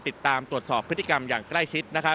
ติดตามตรวจสอบพฤติกรรมอย่างใกล้ชิด